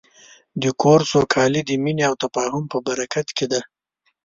د کور سوکالي د مینې او تفاهم په برکت ده.